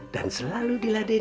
dan selalu diladenin